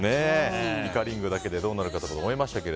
イカリングだけでどうなるかと思いましたけど。